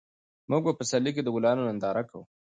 موږ په پسرلي کې د ګلانو ننداره کوو.